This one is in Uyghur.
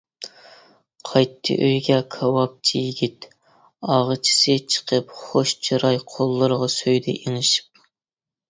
قايتتى ئۆيگە كاۋاپچى يىگىت، ئاغىچىسى چىقىپ خۇش چىراي قوللىرىغا سۆيدى ئېڭىشىپ.